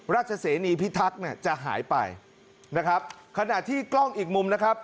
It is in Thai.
เสนีพิทักษ์เนี่ยจะหายไปนะครับขณะที่กล้องอีกมุมนะครับ